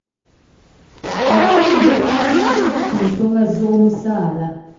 Abakozi beekalakaasizza ku nsonga z'omusaala.